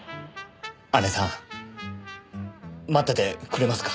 姐さん待っててくれますか？